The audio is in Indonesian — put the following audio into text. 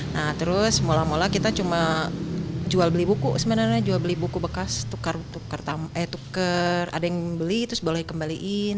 nah terus mula mula kita cuma jual beli buku sebenarnya jual beli buku bekas eh tukar ada yang beli terus boleh kembaliin